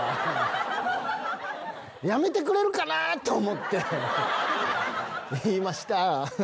やめてくれるかなぁって思って言いました。